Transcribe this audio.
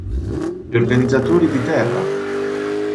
Gli organizzatori di "Terra!